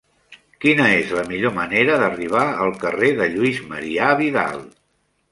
Quina és la millor manera d'arribar al carrer de Lluís Marià Vidal?